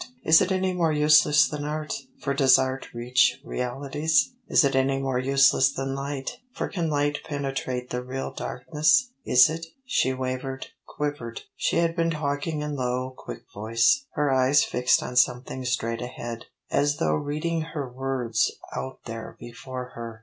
Is it any more useless than art for does art reach realities? Is it any more useless than light for can light penetrate the real darkness? Is it," she wavered, quivered; she had been talking in low, quick voice, her eyes fixed on something straight ahead, as though reading her words out there before her.